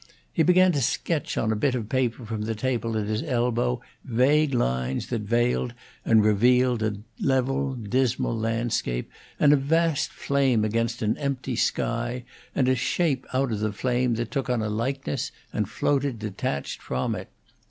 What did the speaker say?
He began to sketch on a bit of paper from the table at his elbow vague lines that veiled and revealed a level, dismal landscape, and a vast flame against an empty sky, and a shape out of the flame that took on a likeness and floated detached from it.